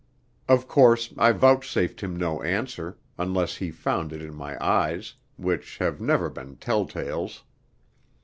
Of course, I vouchsafed him no answer, unless he found it in my eyes, which have ever been telltales.